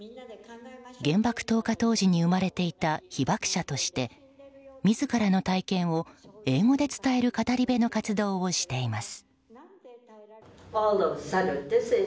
原爆投下当時に生まれていた被爆者として自らの体験を英語で伝える語り部の活動をしています。